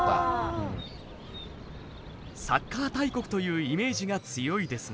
サッカー大国というイメージが強いですが。